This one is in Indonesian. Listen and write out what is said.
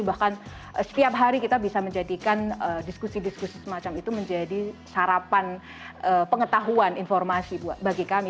bahkan setiap hari kita bisa menjadikan diskusi diskusi semacam itu menjadi sarapan pengetahuan informasi bagi kami